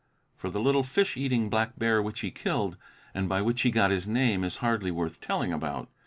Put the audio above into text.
For the little fish eating black bear which he killed and by which he got his name is hardly worth telling about.